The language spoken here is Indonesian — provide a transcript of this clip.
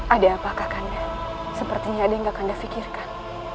ada apakah kak kanda sepertinya ada yang kak kanda fikirkan